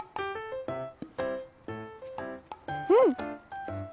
うん！